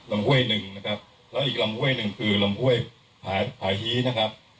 ห้วยหนึ่งนะครับแล้วอีกลำห้วยหนึ่งคือลำห้วยผาผาฮีนะครับ